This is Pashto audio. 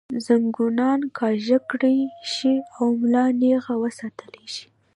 زنګونان کاږۀ کړے شي او ملا نېغه وساتلے شي